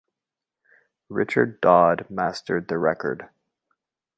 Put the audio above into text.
Richard Dodd mastered the record.